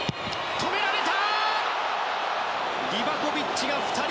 止められた！